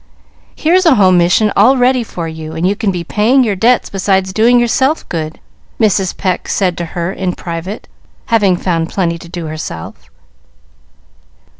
"Here's a home mission all ready for you, and you can be paying your debts beside doing yourself good," Mrs. Pecq said to her in private, having found plenty to do herself.